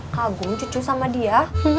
kagum cucu sama dia